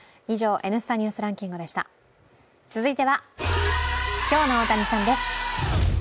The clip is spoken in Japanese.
続いては、今日の大谷さんです。